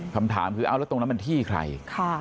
คำถามคือเอาแล้วตรงนั้นมันที่ใคร